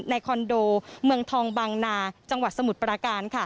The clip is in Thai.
คอนโดเมืองทองบางนาจังหวัดสมุทรปราการ